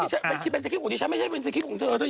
ถ้ามันเป็นสกิ๊ปของชั้นไม่ใช่เป็นสกิ๊ปของเธอ